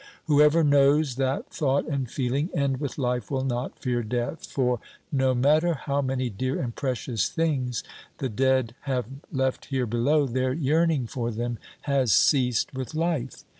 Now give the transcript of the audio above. Whoever knows that thought and feeling end with life will not fear death; for, no matter how many dear and precious things the dead have left here below, their yearning for them has ceased with life.